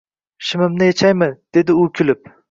“Shimimni yechaymi?” – dedi u kulib